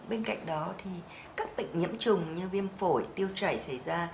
bên cạnh đó thì các bệnh nhiễm trùng như viêm phổi tiêu chảy xảy ra